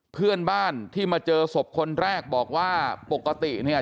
เพื่อนบ้านที่มาเจอศพคนแรกบอกว่าปกติเนี่ย